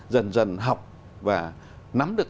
dần dần học và nắm được